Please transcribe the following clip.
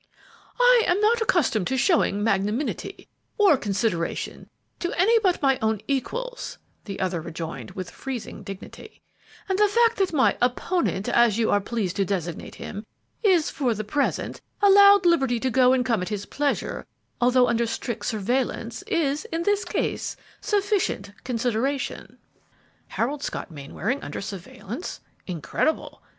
"I am not accustomed to showing magnanimity or consideration to any but my own equals," the other rejoined, with freezing dignity; "and the fact that my 'opponent,' as you are pleased to designate him, is, for the present, allowed liberty to go and come at his pleasure, although under strict surveillance, is, in this instance, sufficient consideration." "Harold Scott Mainwaring under surveillance? Incredible!"